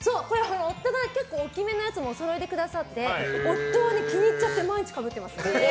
夫の結構大きめのやつもくださって夫は気に入っちゃって毎日かぶってます。